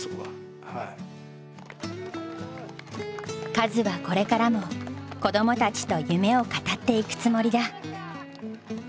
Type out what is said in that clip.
カズはこれからも子どもたちと夢を語っていくつもりだ。